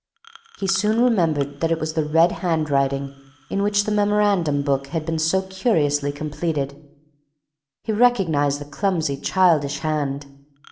He soon remembered that it was the red handwriting in which the memorandum book had been so curiously completed. He recognized the clumsy childish hand.